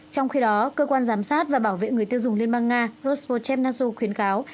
trong khi đó cơ quan giám sát và bảo vệ người tiêu dùng liên bang nga rospochep nasu khuyến kháo